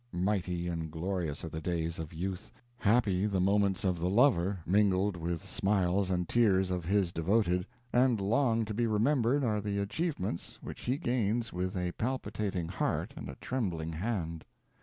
Mighty and glorious are the days of youth; happy the moments of the lover, mingled with smiles and tears of his devoted, and long to be remembered are the achievements which he gains with a palpitating heart and a trembling hand.